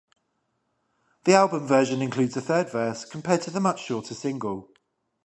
The album version includes a third verse compared to the much shorter single.